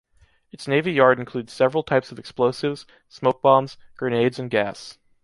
Its navy yard includes several types of explosives, smoke bombs, grenades and gas.